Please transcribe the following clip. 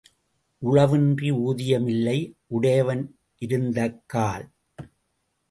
உழவின்றி ஊதியம் இல்லை, உடையவன் இருந்தக்கால்.